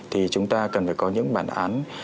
thì chúng ta cần phải có những bản án